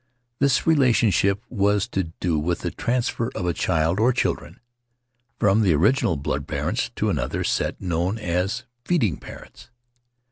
This relationship has to do with the transfer of a child, or children, from the original blood parents to another set known as "feeding parents."